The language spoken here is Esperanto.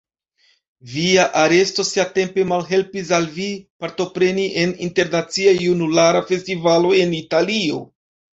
Via aresto siatempe malhelpis al vi partopreni en Internacia Junulara Festivalo en Italio.